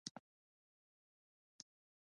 د انګورو نوي نیالګي کله کینوم؟